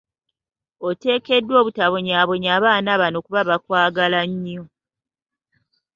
Oteekeddwa obutabonyaabonya baana bano kuba bakwagala nnyo.